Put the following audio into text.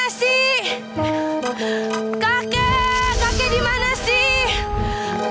kakek kakek dimana sih